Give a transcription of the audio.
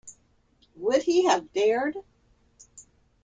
Would he have dared?